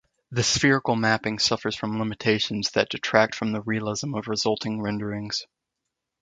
The spherical mapping suffers from limitations that detract from the realism of resulting renderings.